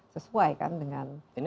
sesuai kan dengan